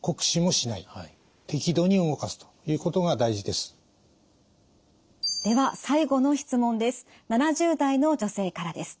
では最後の質問です。